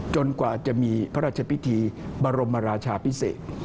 กว่าจะมีพระราชพิธีบรมราชาพิเศษ